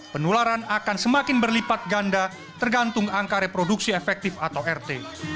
penularan akan semakin berlipat ganda tergantung angka reproduksi efektif atau rt